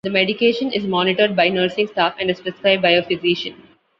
The medication is monitored by nursing staff and is prescribed by a physician.